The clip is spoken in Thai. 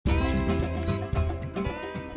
มคนิดหนึ่ง